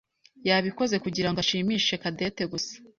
yabikoze kugirango ashimishe Cadette gusa.